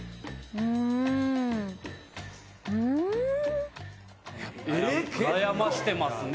うん？悩ましてますね。